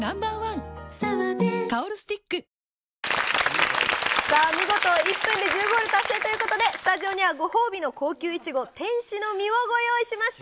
あさあ、見事１分で１０ゴール達成ということで、スタジオにはご褒美の高級イチゴ、天使の実をご用意しました。